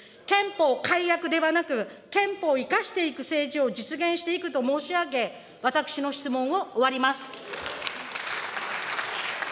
憲法改悪ではなく、憲法を生かしていく政治を実現していくと申し上げ、私の質問を終わります。